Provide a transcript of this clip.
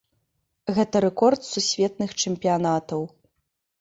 Гэта рэкорд сусветных чэмпіянатаў.